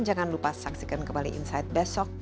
jangan lupa saksikan kembali insight besok